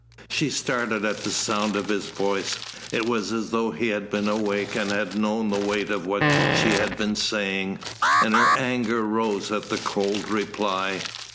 She started at the sound of his voice. It was as though he had been awake and had known the weight of what she had been saying, and her anger rose at the cold reply.